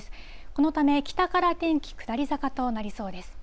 このため北から天気、下り坂となりそうです。